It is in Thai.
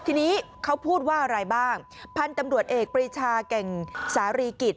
ทีนี้เขาพูดว่าอะไรบ้างพันธุ์ตำรวจเอกปรีชาแก่งสารีกิจ